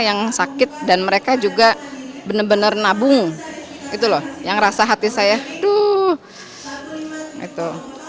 yang sakit dan mereka juga bener bener nabung itu loh yang rasa hati saya aduh itu